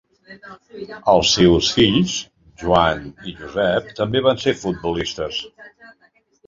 Els seus fills Joan i Josep també van ser futbolistes.